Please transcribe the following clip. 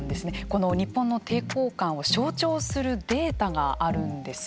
この日本の抵抗感を象徴するデータがあるんです。